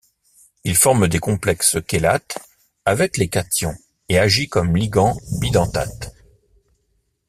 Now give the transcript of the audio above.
Il forme des complexes chélates avec les cations et agit comme ligand bidentate.